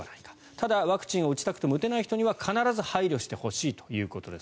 ただ、ワクチンを打ちたくても打てない人には必ず配慮してほしいということです。